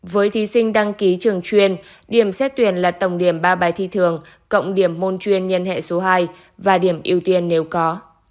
với thí sinh đăng ký trường chuyên điểm xét tuyển là tổng điểm ba bài thi thường cộng điểm môn chuyên nhân hệ số hai và điểm ưu tiên nếu có